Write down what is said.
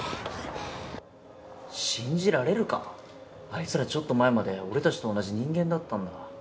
あいつらちょっと前まで俺たちと同じ人間だったんだ。